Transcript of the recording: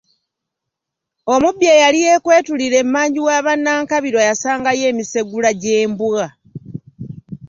Omubbi eyali yeekwetulira emmanju wa ba Nankabirwa yasangayo emisegula gy’embwa.